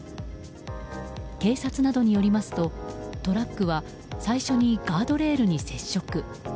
警察などによりますとトラックは最初にガードレールに接触。